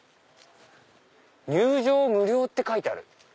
「入場無料」って書いてある。